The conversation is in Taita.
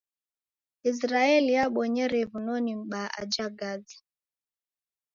Isiraeli yabonyere w'unoni m'baa aja Gaza.